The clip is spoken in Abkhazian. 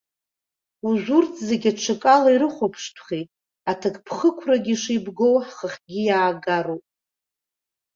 Уажәы урҭ зегьы аҽакала ирыхәаԥштәхеит, аҭакԥхықәрагьы шеибгоу ҳхахьы иаагароуп.